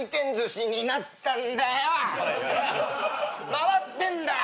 回ってんだよ！